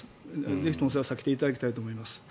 ぜひともそれは避けていただきたいと思います。